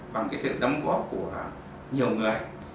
bằng sự đóng góp của nhiều người